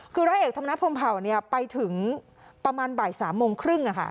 คือร้อยเอกธรรมนัฐพรมเผาไปถึงประมาณบ่าย๓โมงครึ่ง